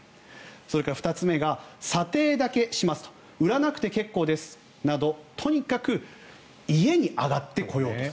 それから２つ目が査定だけしますと売らなくて結構ですなどとにかく家に上がってこようとする。